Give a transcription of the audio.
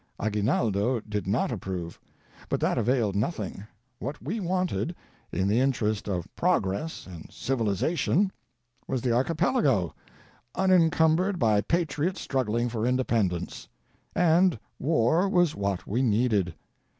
Aguinaldo did not approve; but that availed nothing. What we wanted, in the interest of Progress and Civil ization, was the Archipelago, unencumbered by patriots struggling for independence; and War was what we needed.